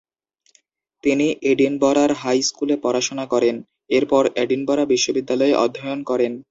তিনি এডিনবরার হাই স্কুলে পড়াশোনা করেন। এরপর এডিনবরা বিশ্ববিদ্যালয়ে অধ্যয়ন করেন।